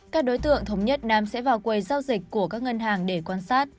các đối tượng thống nhất nam sẽ vào quầy giao dịch của các ngân hàng để quan sát